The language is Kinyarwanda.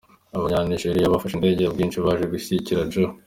Abanya-Nigeria bari bafashe indege ku bwinshi baje gushyigikira Joe .